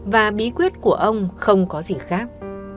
và bí quyết của ông không có gì khác